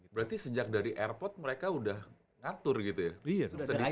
berarti sejak dari airport mereka sudah ngatur gitu ya